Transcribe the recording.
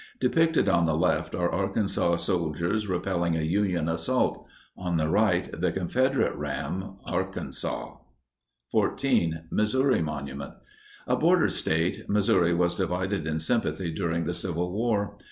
Depicted on the left are Arkansas soldiers repelling a Union assault; on the right, the Confederate ram Arkansas. 14. MISSOURI MONUMENT. A border State, Missouri was divided in sympathy during the Civil War.